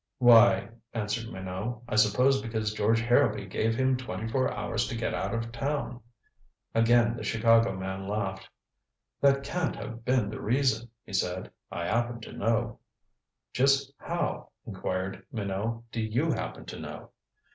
"Why," answered Minot, "I suppose because George Harrowby gave him twenty four hours to get out of town." Again the Chicago man laughed. "That can't have been the reason," he said. "I happen to know." "Just how," inquired Minot, "do you happen to know?"